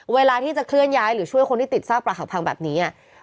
เวลาที่จะเคลื่อนย้ายหรือช่วยคนที่ติดซากปลาหักพังแบบนี้